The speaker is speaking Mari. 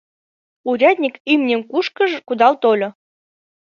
Урядник имньым кушкыж кудал тольо.